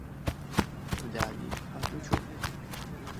ڕووداوی هاتووچۆ